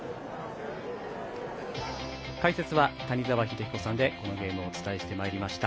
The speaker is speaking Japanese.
解説は谷澤英彦さんでこのゲームをお伝えしてまいりました。